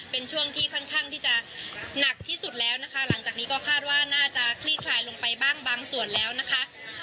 เป็นช่วงที่ค่อนข้างที่จะหนักที่สุดแล้วนะคะหลังจากนี้ก็คาดว่าน่าจะคลี่คลายลงไปบ้างบางส่วนแล้วนะคะ